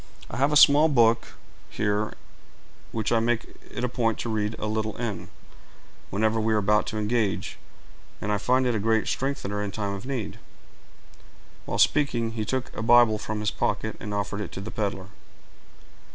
I have a small book here, which I make it a point to read a little in, whenever we are about to engage, and I find it a great strengthener in time of need." While speaking, he took a Bible from his pocket, and offered it to the peddler.